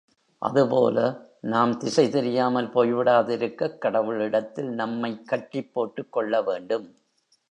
அதுபோல நாம் திசை தெரியாமல் போய்விடாதிருக்கக் கடவுளிடத்தில் நம்மை கட்டிப் போட்டுக் கொள்ளவேண்டும்.